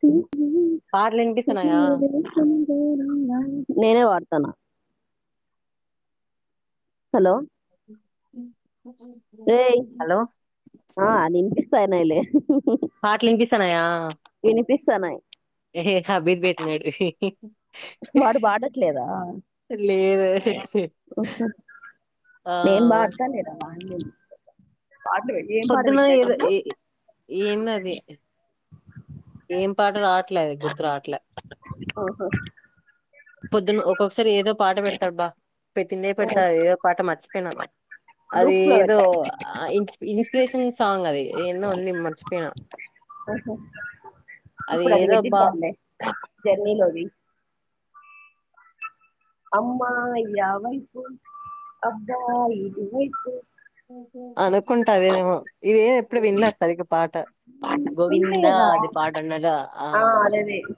చూ పాటలు వినిపిస్తున్నాయా [inaudible] నేనే వాడతానా హలో రే హలో ఆ నింపిస్తాన్నైలే స్తాన్నయా ఇని పిస్తున్నాయి ఏ హే అబిర్ పెట్టినాడు వాడు వాడట్లేదా లేదు ఓ హొ ఆ నేను మాట్లడేదు ఆమె కాని ఏ పొద్దున ఏద ఏంది అది ఏం పాట రావట్లేదు గుర్తు రావట్లే ఓహో పొద్దున్న ఒక్కొక్కసారి ఏదో పాట పెడ్ తడ్బా పెట్టిందే ఓ పెడతాది ఏదో పాట మార్ ర్చిపోయినా అది లూప్ లో ఏదో పెట్టాడు ఇన్స్పిరేషన్ సాంగ్ అది ఏందో ఉంది మర్చిపోయినా ఓహో అది ఇప్పుడు ఏదో అబ్బా పెట్టిద్దాంలే జర్నీలోది అమ్మయి ఆ వైపు అబ్బాయి ఇది వైపు అన కుంటది ఏమో ఏ ఎప్పుడు వినలే సరిగా పాట గోవిందా లేదా అది పాటన్నుదా ఆ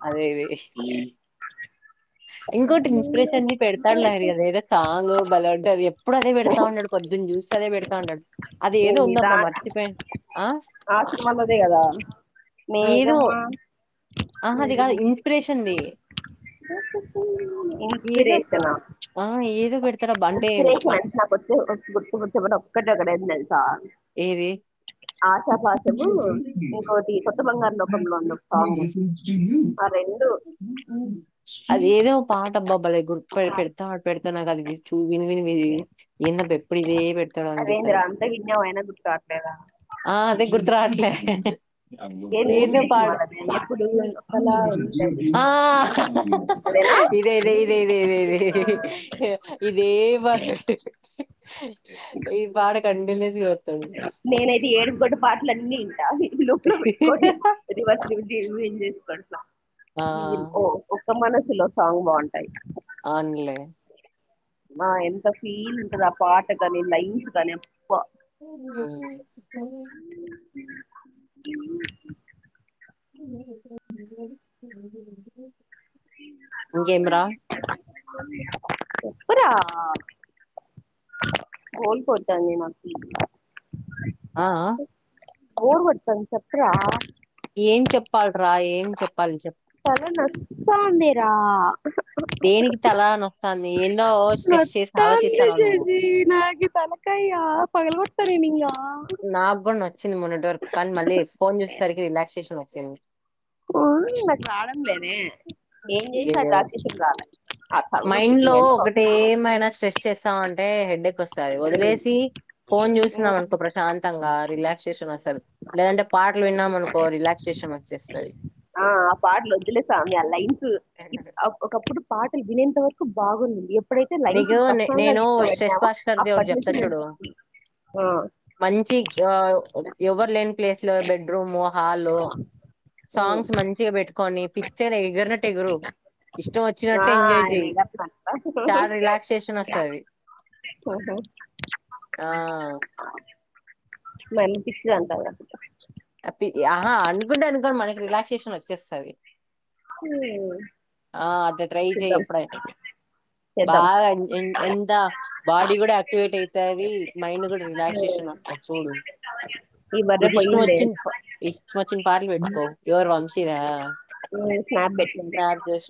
అదే అదే ఇంకొటి ఇన్స్పిరేషన్ది పెడతాడు అది ఏదో సాంగ్ బాలేఉంటది ఎప్పుడు అదే పెడతా ఉంటాడు పొద్దున్న చూస్ అదే పెడతా ఉంటడు అది ఏదో ఏంది దా ఉందబ్బ మర్చిపోయి ఆ సినిమాలోదే కదా ఏదో మేఘమా అహ అది కాదు ఇన్స్పిరేషన్ది ఇన్స్పిరేషనా ఆ ఏదో పెడతాడబ్బా అంటే ఇన్స్పిరేషన్ అ నాకొచ్చు కక్కడేక్కడ ఏం లేద్ సాల్ ఏది కొత్త బంగారు లోకంలో ఉంది ఒక సాంగ్ ఆ రెండు అది ఏదో ఒక పాటబ్బాబలే పెడ పా పెడతా నాకు అది చూ [unintelligible] ఎప్పుడు ఇదే అదేందిరా పెట్టాలనిపిస్తది. అంత విన్నాం అయినా గుర్తు రావట్లేదా అదే గుర్తు రావట్లే ఏంది ఊపిరి సినిమా అది ఎప్పుడు ఒకలా ఉంటది అదేనా ఆ [unintelligible] ఈ వాడకం [unintelligible] నేనైతే ఏడుపు గోట్ పాటలు అన్ని వింటా ఇది లోపల పెట్టుకోండి. [unintelligible] పెడ్తా ఆ ఓ మనసులో సాంగ్ బాగుంటాయి. అవున్లే ఆ ఎంత ఫీల్ ఉంటది. ఆ పాట కాని లైన్స్ గాని అబ్బా [inaudible] [unintelligible] ఇంకేం రా చెప్పరా కోల్పోత నేను ఆ ఆ. బోర్ కొడతాంది. చెప్పరా ఏం చెప్పాల్ రాయే ఏం చెప్పాలి చెప్ సందిరా దేనికి తల నొస్తాంది ఏందో స్ట్రెస్ [unintelligible] చేసి ఆలోచిస్తాను నువ్వు సరే నా కూడా నోచ్చింది. మొన్నటి వరకు కానీ మళ్ళీ ఫోన్ చేసేసరికి రిలాక్సేషన్ వ సేమ్ ఇ అది రావడంలేదే ఏం చేసావ్ అయ్యయ్యో రాక్షసులకు రాలి మైండ్ లో ఒకట ఏమైనా స్ట్రెస్ చేస్తాం హెడ్ వ వస్తుంది వదిలేసి ఫోన్ చూసాం. అనుకో ప్రశాంతంగా రిలాక్సేషన్ వస్తది. లేదంటే పాటలు విన్నాం అనుకో రిలాక్సేషన్ వచ్చేస్తది. ఆ ఆ పాటలు వద్దులే సామి ఆ లైన్స్ ఒకప్పుడు పాటలు వినేంత వరకు బాగుంది. ఎప్పుడైతే లైన్స్ మీకు పర్సనల్ గా నేను స్ట్రెస్ తీసుకోబెట్టామో ఫస్టర్ది అప్పటి చెప్తా నుంచి చూడు మెంటల్ ఆ మంచి ఎవరు లేని ప్లేస్ లో బెడ్రూము హాలో ఉమ్ సాంగ్స్ మంచిగా పెట్టుకొని పిక్చర్ ఎగరినట్టు ఎగురు ఇష్టం ఆ వచ్చినటట్టు ఎంజాయ్ ఆయనే చెయి గట్లంటరా చాలా రిలాక్సేషన్ వస్తుంది ఆహా ఆ మనపిచ్చి చ అంటారూ ఆహా అనుకుంటే అనుకని మనకి రిలాక్సేషన్ వచ్చేస్తుంది హమ్ ఆ అట్ట ట్రై చెయి ఎప్పుడైనా చేద్దాం బాగా ఎంత బాడీ కూడా యాక్టివేట్ అవుతుంది మైండ్ కూడా రిలాక్సేషన్ ఉమ్ వస్తాది చూడు ఈ బర్రె నీకు ఇష్టం పోయిందే వచ్చిన ఇష్టం వచ్చిన పార్లు పెట్టుకో ఎవరు చూస్తారు చ్చరా [unintelligible] మ్యాప్ పెట్టుకుంటాం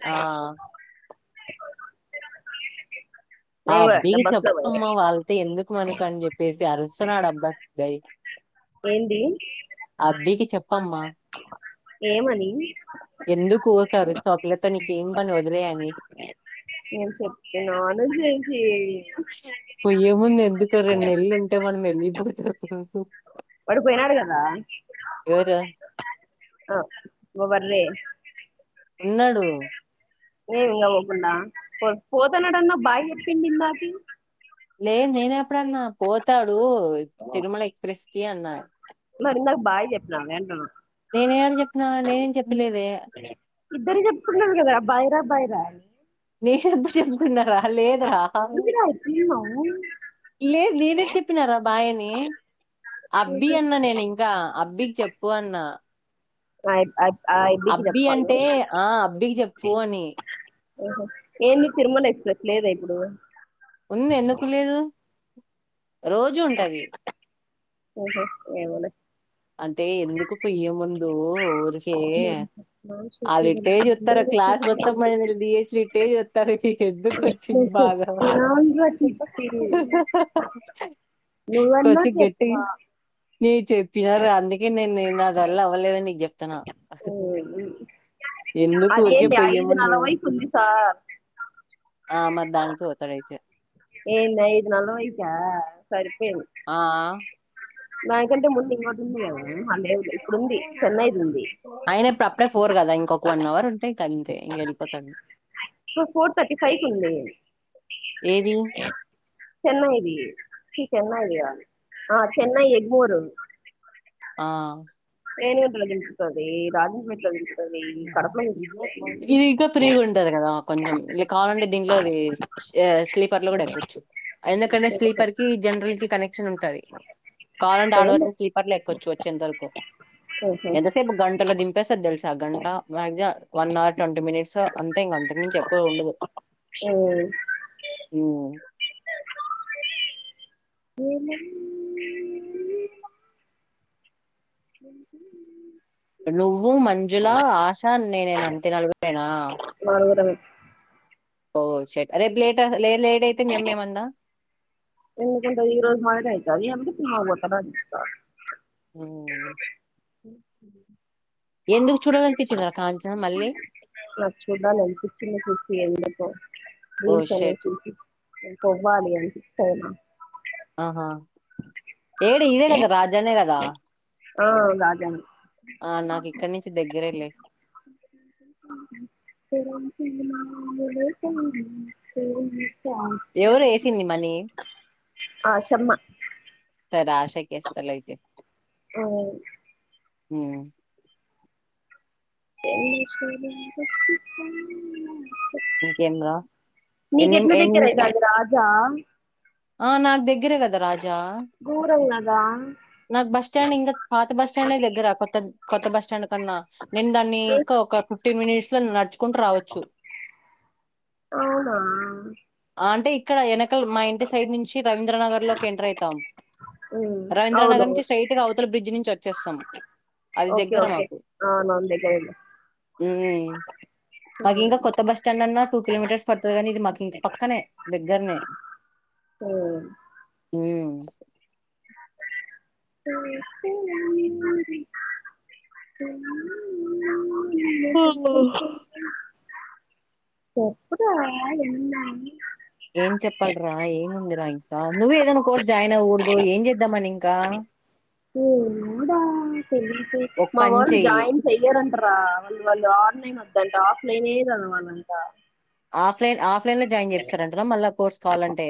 ఆ [inaudible] ఆ నేను కూడా అట్లా అబ్బయి బస్ లో పోయా చెప్పమ్మా వాళ్ళతో ఎందుకు మనకు అని చెప్పేసి అరుస్తున్నాడు అబ్బా సిబ్బాయి ఏంది అమ్మ ఏమని ఎందుకు ఊక అరుస్తావు ఆ పిల్లతో నీకేం పని వదిలేయని నేను చెప్పినాను చేసి పొయ్యేముంది ఎందుకు రెండు నేలలుంటే మనం వెళ్ళిపోతాం పడి పోయినారు కదా ఎవరు? హ నువ్వు పడలే ఉన్నాడు ఏంగా హగున్నా పోతానాడన్న బై చెప్పింది ఇందకీ నింద మాది లే నేనే [unintelligible] ఇప్పుడన్నా పోతాడు తిరుమల ఎక్స్ప్రెస్ కి అన్నారు మరి ఇందాక బాయి చెప్పినావే అంటున్నా నేనేమన్న చెప్పిన నేనేం చెప్పలేదే ఇద్దరి చెప్పుకున్నారు కదా బైరా బైరా నేనెప్పుడు చెప్పిండ్ర లేదు రా లేదు నువ్వు ఇలా అయిపోయినావు లేదు నేనేం చెప్పినారా బాయ్ అని అబ్బి అన్న నేను ఇంకా అబ్బికి చెప్పు అన్నా ఆ అ అబ్బి అంటే ఆ అబ్బికి చెప్పు అని ఓహో ఏంది తిరుమల ఎక్స్ప్రెస్ లేదా ఇప్పుడు ఉంది ఎందుకు లేదు రోజు ఉంటది ఊహూ ఏమోలే అంటే ఎందుకు పొయ్యే ముందు ఊరికే వాళ్ళు ఇట్టే చూస్తారు క్లాస్ మొత్తం మనది డిహెచ్లు ఇట్టే చూస్తారు ఎందుకు వచ్చింది బాగా అవునురా చిట్టి కొంచెం గట్టి వా నీ చెట్ని తినరు అందుకే నేన్ నేన్ అదా ఒ ఓ ఎందుకు ఊరికే అదేంటి పొయ్యే ఐదు ముందు నాలవై కు ఉంది సార్ ఆ మరి దానికి పోతారు అయితే ఏంది ఐదు నలవై కా సరే ఆ నాక్ అంతకంటే ముందు ఇంకోటి ఉంది కదా అహ లేవు ఇప్పుడుంది చెన్నైది ఉంది ఆయన ఇప్పుడు అప్పుడే ఫోర్ కదా ఇంకో వన్ అవర్ ఉంటాయి అంతే ఇంకా వెల్పోతాడు ఫోర్ థర్టీ ఫైవ్ కు ఉంది ఏది చెన్నై దీ చెన్నై ఇాల చెన్నై ఎగమూరు ఆ ఏనుగుంటలో నిలుపితుది రాజ మట్లో ని ఇది ఇంకా ఫ్రీగా ఉంటది కదా కొంచెం ఇక కావాలంటే దీంట్లో అది స్లీపర్ లో కూడా ఓకే, ఎక్కవచ్చు ఎందుకంటే ఓకే. స్లీపర్ కి జనరల్ కి కనెక్షన్ ఉంటు కాాలంటే ఆడ ముప్పై వరకు కలీపర్లు ఎక్కొచ్చు వచ్చేంత వరకు ఎంతసేపు గంటలో దంపేస్త అది తెలుసు గంట మాక్సి వన్ అవర్ ట్వంటీ మినిట్సో అంతే ఇంకా అంతక నుంచి మించి ఎక్కువ ఉండదు ముప్పై ఊ ఉఉఉఉఉఉఉ ఉంటా నువ్వు మంజులా ఆశా నేనేన అంతే నలుగురుమేన నలుగురమే ఓ అయితే మీ అమ్మ ఏమంద ఎందుకు అయితది ఏమన్నా అంటే ఈరోజు మాదిరి సినిమాకు పోతున్నాను అని చెప్తా ఊ రా కాంచన మళ్ళీ అ నచ్చూదా ఓ షట్ ఇంకా అవునా ఆహా ఏడు ఇదే కదా రాజానే కదా ఆ గాజాం ఆ నాకు ఇక్కడ నుంచి దెగ్గిరే లే [unintelligible] ఎవరు ఏసింది మనీ ఆ, శర్మ సరె ఆశాకేస్తాలే అయితే ఆ, ఉమ్ [unintelligible] ఇంకేం రా నికు ఎన్ని ఎట్ల ఎన్ని దగరైతాది రాజా ఆ నాకు దగ్ దగ్గరే కదా రాజా దూరం కదా నాకు బస్ స్టాండ్ ఇంకా పాత బస్ స్టాండే దగ్గరా కొత్త కొత్త బస్ స్టాండ్ కన్నా నేను దాన్ని ఏ, ఇంకా ఒక ఫిఫ్టీన్ మినిట్స్ లో నడుచుకుంటూ రావచ్చు అవునా ఆ, అంటే ఇక్కడ ఎన [unintelligible] మా ఇంటి సైడ్ ఉమ్, అవును చ్చేసం అది ఓకే దగ్గర ఓకే మాకు అవునవును దగ్గర ఉమ్ ఉమ్. మాకింకా కొత్త బస్ స్టాండ్ అన్నా టు కిలోమీటర్స్ పడతది కానీ ఇది మాకీ పక్కనే దగ్గరనే తెలియదు ఉమ్ [unintelligible] ఎమ్ అయింది [unintelligible] ఏం చెప్పాలరా ఏముందిరా ఇంకా నువ్వే ఏదైనా కోర్స్ జాయిన్ అవకూడదు ఏం చేద్దామని ఇంకా ఒక మా పని వాళ్ళు చెయ్యి జాయిన్ చెయయరంట రా వాల్ వాళ్ళు ఆన్ లైన్ అంటే ఆఫ్ లైనే కావాలంట ఆఫ్ లైన్ ఆఫ్ ల లో జాయిన్ చేపిస్తారు అంటారంట నా మళ్ళా కోర్స్ కావాలంటే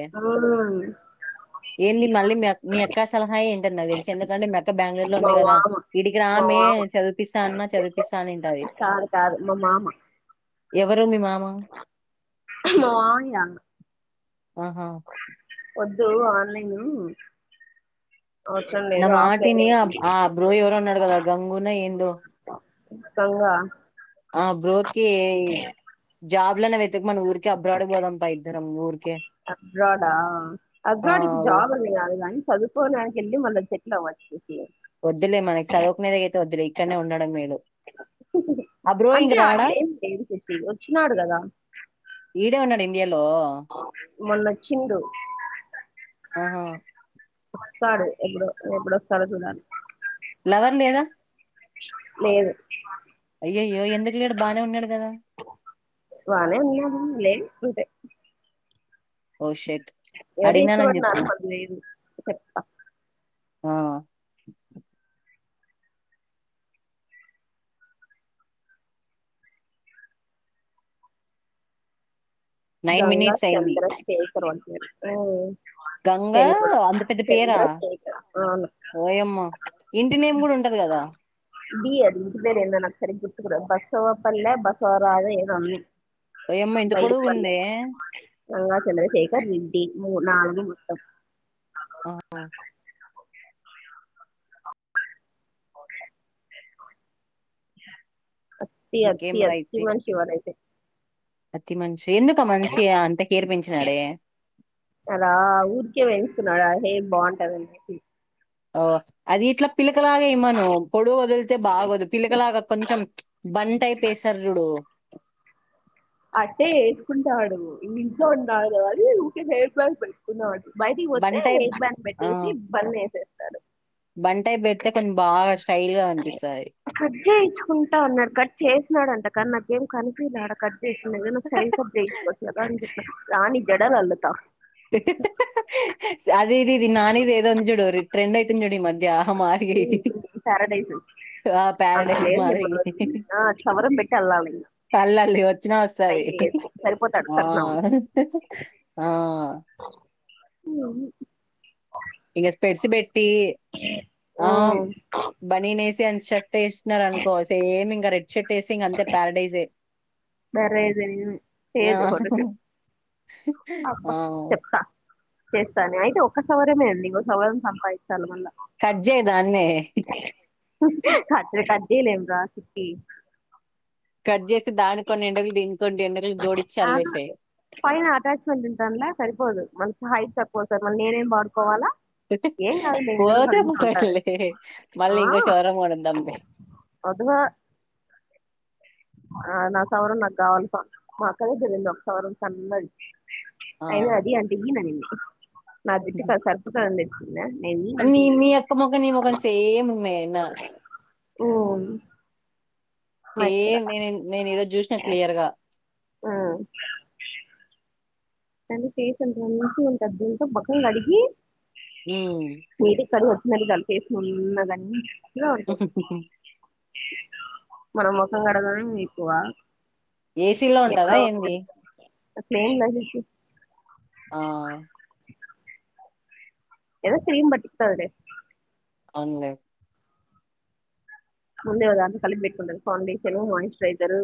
ఏంది మళ్ళీ మీ అక్క సలహా ఏ ఆయ్యింటటి నా తెలిసి ఎందుకంటే మీ అక్క బ్యాంగ్ళూరు లో మా ఉంది కదా మామ ఈడికి మా రామే మామ చదిపిస్తా అన్న చదివిపిస్తా అనింటది కాదు కాదు మా మామ ఎవరు మీ మామ హు మా మామయ్య ఆహా వద్దు ఆన్ లైన్ నా మాటిని ఆ ఆ బ్రో ఎవరో ఉన్నడుగదా గంగు నా ఏందో గంగా ఆ బ్రోకే జాబ్ లన్నా వెతుకు మను ఊర్ అబ్రాడ్ పొదం భై ద్దరం ఊర్ అబ్రాడా ఆ అబ్రాడ్కి జాబ్ అని కాదు కానీ చదుకోవడానికి వెళ్ళి మళ్ళ నవ్వచ్చి వద్దులే మనకి చదువుకునేది అయితే వద్దులే ఇక్కడనే ఉండడం మేలు. ఆ బ్రో ఇంక అంటే రాడా అట్లేం లేదు శశి వచ్చినాడు కదా ఈడే ఉన్నాడు ఇండియా లో మొన్నోచ్చిండు ఆహా వస్తాడు ఎప్పుడో ఎప్పుడొస్తాడో చూడాలి లవర్ లేదా లేదు అయ్యయో ఎందుకు లేడు బాగానే ఉన్నాడు కదా. బాగానే ఉన్నాడు లే ఉంటే ఓ షేట్ ఎవరి ఇష్టమా మాకు లేదు చెప్తా ఆ నైన్ గంగా మినిట్స్ అయింది చంద్ర శే ఆ [unintelligible] గంగా అంత పెద్ద పేరా చంద్రశేఖర్ అవును ఓయమ్మ ఇంటినేమ్ కూడా ఉంటది కదా. బీ అది ఇంటి పేరు ఏందో నాకు సరిగ గుర్తుకు రాదు బస్వప్పల్లే బస్వరాద ఏదో అంది. ఓయమ్మ ఇంత పొడుగు ఉందే గంగా చంద్రశేఖర్ రెడ్డి మూ నాలుగు మొత్తం ఆ, అట్టి ఇంకేం అట్టి అట్టి రాయితీ మనిషి వాడైతే అతి మనిషి ఎందుకు మనిషి అంత కేర్ పెంచినాడే ఏం బాగుంటదండి ఓ అది ఇట్లా పిల్ల పిలకలాగా ఇమ్మను పొడు వదిలితే బాగోదు పిలకలాగా కొంచెం బంటైప్ పేస్తరు చూడు అట్టే వేసుకుంటాడు. ఇ ఇంట్లో ఉన్నా కదా అని ఊరికే హెయిర్ ప్యాక్ పెట్టుకున్నాడు. బయటికి బన్ వస్తే టైప్ హెయిర్ ప్యాక్ ఆ పెట్టేసి పేర్మినెంట్ గా సరే బన్ టైప్ పెడితే కొంచ బాష్ కట్ చేయించుకుంటా అన్నాడు. కట్ చేసినాడు అంట కనాకు ఏం కనిపియల ఆడా కట్ ఏదన్నా సైన్సీ సబ్జెక్టు తీసుకుంటా. రాని జడల్ అల్లుత హ హ హ అది ఇది ఇది నానిది ఏదోంది చూడు ర ట్రెండ్ అయితుంది. చూడు ఈ మద జాహ మారి పారడైజ్ ఆ అంత ప్యారడైస్ లేదు ఇక మాదిరి మనోడిది. ఆ చవరం పెట్టి అల్లాలి ఇంకా కళ్ళర్లి వచ్చినా ట్రై వస్తదిహ చేయొచ్చు సరిపోతాడు హ కట్నం ఆ ఆ అవును ఇగా స్పెడ్స్ బెట్ తీ ఆమ్ బనిన్ ఎస్ ప్యాంట్షట్ వేస్నరనుకొ సేమి ఇంక రెడ్ షెటేసింగ్ అంత పారడైజె బణేజెరిగింది [unintelligible] అబ ఆ! చెప్తా చేస్తానీ అయితే ఒక సవరమె అండి ఇంగో సవరం సంపాదించాలి మళ్ళా కట్ చేయి దాన్నే కార్జైలం సిప్పి జ ఆహ అల్లేసేయి. పైన అటాచ్మెంట్ ఉంటాడ్ల సరిపోదు మనషి హైట్ త కోస మరి నేనేం వాడుకోవాలా ఏం కాదు నేను వేరే పోతె వాళ్ళ ఇంట్లో ఉంటాను పోన్లే మళ్ళీ ఆ, ఇంకో సవరం కొణిద్దాంలే. వద్దుగా ఆ నా సవరం నాకు కావాలి మా అక్క దగ్గరుంది ఒక సవరం సన్నది. ఆ అయ్యోనా అదీ అంటంది నీను నా జుట్టుకి అది సరిపోతదని తెచ్చుకున్న నేను నీ ఈనంటే మీ ఈను అక్క మొక్క నీ మొఖం సేమ్ ఉన్నాయి నా ఓ సేమ్ నేను నేను ఏడో జూశ్న క్లియర్ గా ఆ పని చేసంత [unintelligible] మొఖం కడిగి ఉ మరిదాలు చేసుకున్నదం చెక చెకం మనం ముఖం కడగడమే ఎక్కువ ఏసీలో ఉంటదా ఎప్పుడో ఏంది [unintelligible] ఆ ఏదో క్రీమ్ బట్టిత్తదిలె అన్లే ముందే ఒదాంలో కలిపి పెట్టుకుంటరు ఫౌండషను మాయిశ్చరైసరు.